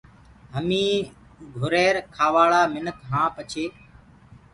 هميٚنٚ گُھرير کآواݪآ مِنک هآن پڇي